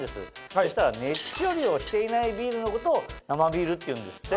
そしたら熱処理をしていないビールのことを生ビールっていうんですって。